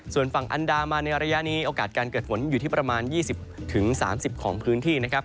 ส่วนฝั่งอันดามาในระยะนี้โอกาสการเกิดฝนอยู่ที่ประมาณ๒๐๓๐ของพื้นที่นะครับ